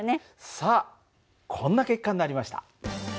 さあこんな結果になりました。